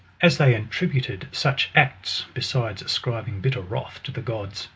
as they attributed such acts, be sides ascribing bitter wrath, to the gods